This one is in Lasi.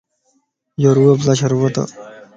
يو روح افزاء شربت ا